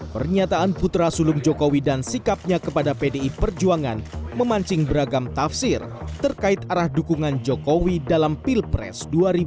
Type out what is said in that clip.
pernyataan putra sulung jokowi dan sikapnya kepada pdi perjuangan memancing beragam tafsir terkait arah dukungan jokowi dalam pilpres dua ribu dua puluh